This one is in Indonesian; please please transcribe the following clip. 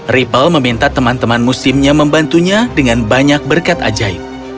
ripple meminta teman teman musimnya membantunya dengan banyak berkat ajaib